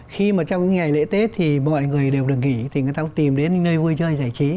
khi mà trong những ngày lễ tết thì mọi người đều được nghỉ thì người ta cũng tìm đến những nơi vui chơi giải trí